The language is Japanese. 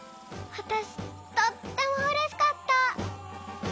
わたしとってもうれしかった。